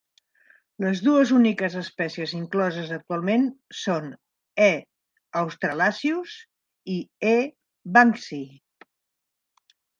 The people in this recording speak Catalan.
Les dues úniques espècies incloses actualment són "E. australasius" i "E. banksii".